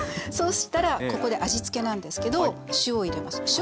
そうしたらここで味付けなんですけど塩を入れます。